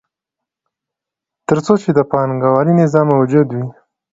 تر څو چې د پانګوالي نظام موجود وي